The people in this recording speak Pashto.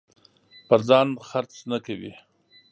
پر ځان خرڅ نه کوي.